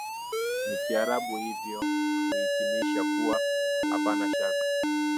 na Kiarabu hivyo huhitimisha kuwa hapana shaka